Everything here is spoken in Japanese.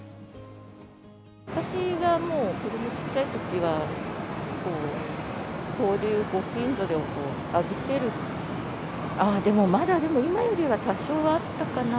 私がもう、子どもちっちゃいときは、ご近所で預ける、ああ、でもまだ、今よりは多少はあったかな。